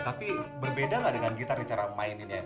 tapi berbeda nggak dengan gitar di cara memainkannya